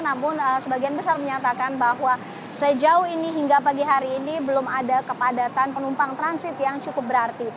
namun sebagian besar menyatakan bahwa sejauh ini hingga pagi hari ini belum ada kepadatan penumpang transit yang cukup berarti